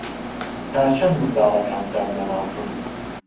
تا چەند منداڵەکانتان دەناسن؟